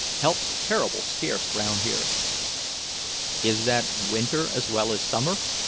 Help's terrible scarce round here." "Is that winter as well as summer?"